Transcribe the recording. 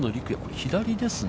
左ですね。